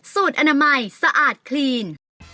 สูตรอนามัยสะอาดคลีน